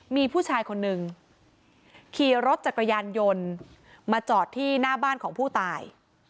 มีผู้ชายคนหนึ่งขี่รถจักรยานยนต์มาจอดที่หน้าบ้านของผู้ตาย